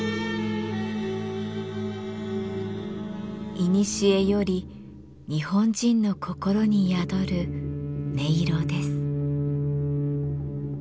いにしえより日本人の心に宿る音色です。